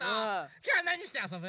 きょうはなにしてあそぶ？